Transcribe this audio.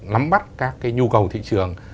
lắm bắt các cái nhu cầu thị trường